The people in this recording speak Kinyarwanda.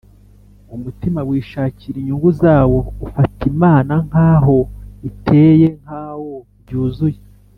umutima wishakira inyungu zawo ufata imana nk’aho iteye nka wo byuzuye